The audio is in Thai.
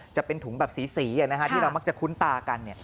จะเป็นถุงแบบสีที่เรามักจะคุ้นตากัน